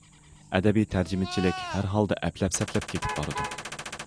ئەدەبىي تەرجىمىچىلىك ھەرھالدا ئەپلەپ- سەپلەپ كېتىپ بارىدۇ.